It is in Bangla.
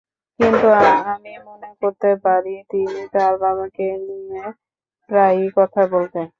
কিন্তু আমি মনে করতে পারি, তিনি তাঁর বাবাকে নিয়ে প্রায়ই কথা বলতেন।